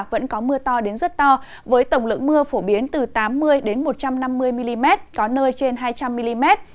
vẫn có mưa to đến rất to với tổng lượng mưa phổ biến từ tám mươi một trăm năm mươi mm có nơi trên hai trăm linh mm